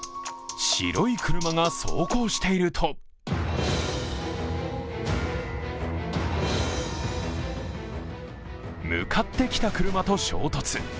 白い車が走行していると向かってきた車と衝突。